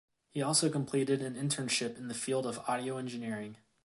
He also completed an internship in the field of audio engineering.